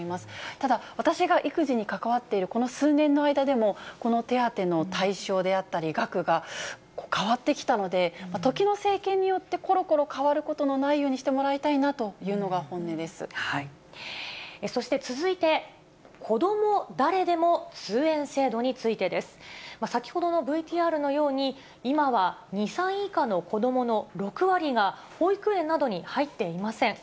ただ、私が育児に関わっているこの数年の間でも、この手当の対象であったり、額が変わってきたので、時の政権によってころころ変わることのないようにしてもらいたいそして、続いて、こども誰でも通園制度についてです。先ほどのＶＴＲのように、今は２歳以下の子どもの６割が保育園などに入っていません。